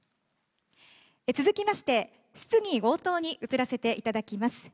続きまして、質疑応答に移らせていただきます。